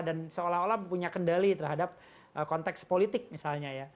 dan seolah olah mempunyai kendali terhadap konteks politik misalnya